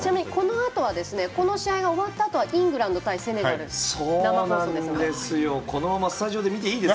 この試合が終わったあとはイングランド対セネガル生放送と。